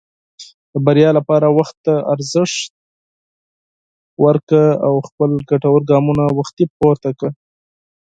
د بریا لپاره وخت ته ارزښت ورکړه، او خپل ګټور ګامونه وختي پورته کړه.